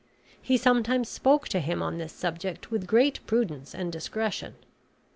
He sometimes spoke to him on this subject with great prudence and discretion.